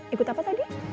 ikut apa tadi